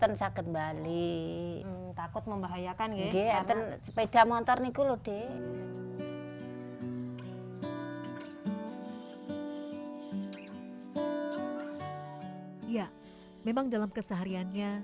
dan sakit balik takut membahayakan ya ten sepeda motor niku lode ya memang dalam keseharianya